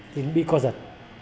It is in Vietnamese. thì mình bị co giật